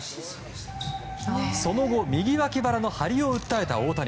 その後右脇腹の張りを訴えた大谷。